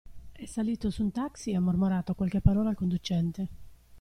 È salito su un taxi e ha mormorato qualche parola al conducente.